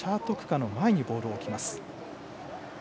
樺の前にボールを置きます。